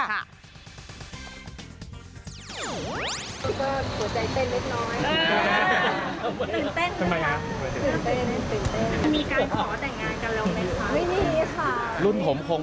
ก็หัวใจเต้นเล็กน้อย